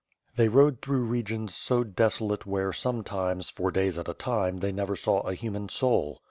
They rode through regions so desolate where sometimes, for days at a time they never saw a human soul.